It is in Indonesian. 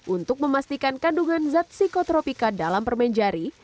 untuk memastikan kandungan zat psikotropika dalam permen jari